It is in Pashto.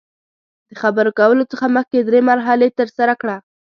د خبرو کولو څخه مخکې درې مرحلې ترسره کړه.